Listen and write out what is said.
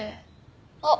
あっ。